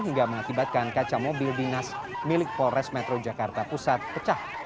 hingga mengakibatkan kaca mobil dinas milik polres metro jakarta pusat pecah